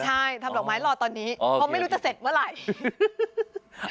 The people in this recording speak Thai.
ใช่ทำดอกไม้รอตอนนี้เพราะไม่รู้จะเสร็จเมื่อไหร่